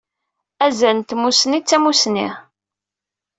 Azal n tmusni, tamusni!